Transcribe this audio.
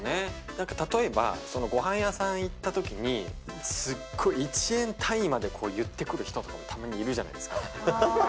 なんか例えば、ごはん屋さん行ったときに、すっごい１円単位まで言ってくる人とかもたまにいるじゃないですか。